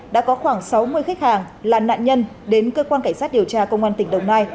đã có khoảng sáu mươi khách hàng là nạn nhân đến cơ quan cảnh sát điều tra công an tỉnh đồng nai